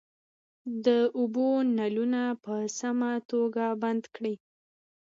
د اوبو نلونه په سمه توګه بند کړئ.